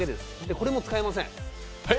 これも使いません。